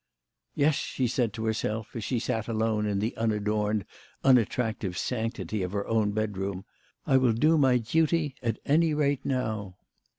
" Yes," she said to herself, as she sat alone in the unadorned, unattractive sanctity of her own bedroom, "I will do my duty at any rate now."